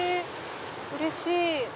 うれしい！